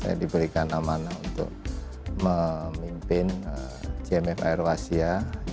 saya diberikan amanah untuk memimpin gmf aero asia